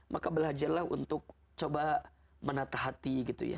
maka belajarlah untuk menatah hati